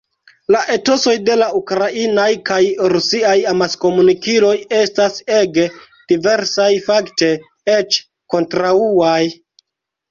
La etosoj de la ukrainaj kaj rusiaj amaskomunikiloj estas ege diversaj, fakte, eĉ kontraŭaj.